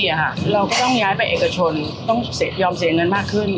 เราก็ต้องย้ายไปเอกชนต้องยอมเสียเงินมากขึ้น